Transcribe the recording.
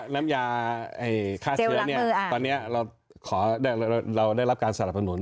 น้ำยาฆ่าเชื้อตอนนี้เราได้รับการสนับสนุน